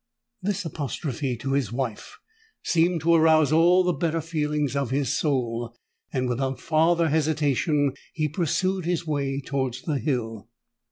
This apostrophe to his wife seemed to arouse all the better feelings of his soul; and without farther hesitation, he pursued his way towards the hill.